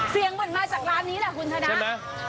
เสียงหมดมาจากร้านนี้แหละคุณธนา